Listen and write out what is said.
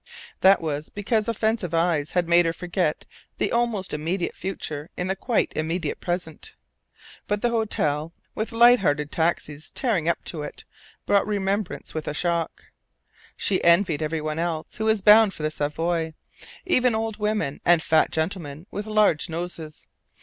That was because offensive eyes had made her forget the almost immediate future in the quite immediate present. But the hotel, with light hearted taxis tearing up to it, brought remembrance with a shock. She envied everyone else who was bound for the Savoy, even old women, and fat gentlemen with large noses.